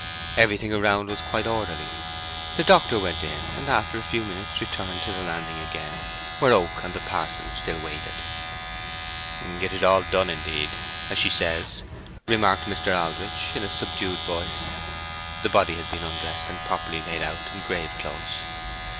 Everything around was quite orderly. The doctor went in, and after a few minutes returned to the landing again, where Oak and the parson still waited. "It is all done, indeed, as she says," remarked Mr. Aldritch, in a subdued voice. "The body has been undressed and properly laid out in grave clothes.